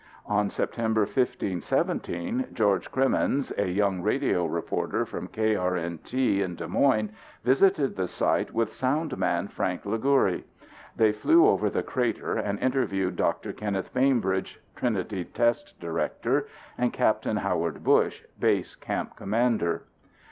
On Sept. 15 17, George Cremeens, a young radio reporter from KRNT in Des Moines, visited the site with soundman Frank Lagouri. They flew over the crater and interviewed Dr. Kenneth Bainbridge, Trinity test director, and Capt. Howard Bush, base camp commander.